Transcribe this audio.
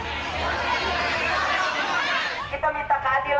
kita minta keadilan